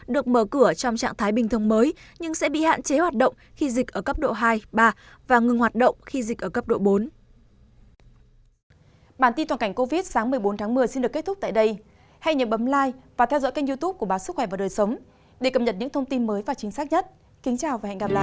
được mở cửa trong trạng thái bình thường mới nhưng sẽ bị hạn chế hoạt động khi dịch ở cấp độ hai ba và ngừng hoạt động khi dịch ở cấp độ bốn